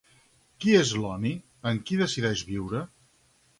Qui és Lonny, amb qui decideix viure?